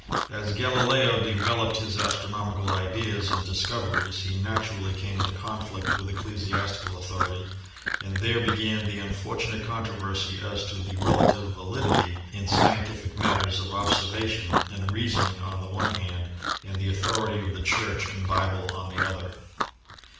As Galileo de veloped his astronomical ideas and discoveries he naturally came into conflict with ecclesiastical authority and there began the unfortunate controversy as to the relative valid ity in scientific matters of observation and reasoning on the one hand and the authority of the Church and Bible on the other.